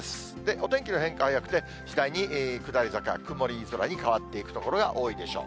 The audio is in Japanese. お天気の変化はなくて、次第に下り坂、曇り空に変わっていく所が多いでしょう。